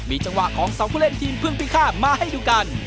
มีจังหวะของ๒ผู้เล่นทีมเพิ่งปี๕มาให้ดูกัน